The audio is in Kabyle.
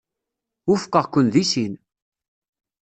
Wufqeɣ-ken deg sin.